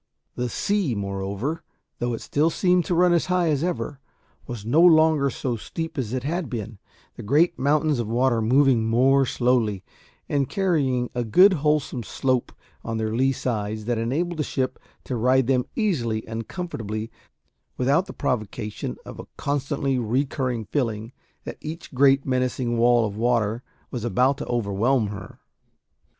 The sea, moreover, though it still seemed to run as high as ever, was no longer so steep as it had been; the great mountains of water moving more slowly, and carrying a good wholesome slope on their lee sides, that enabled the ship to ride them easily and comfortably without the provocation of a constantly recurring feeling that each great menacing wall of water was about to overwhelm her.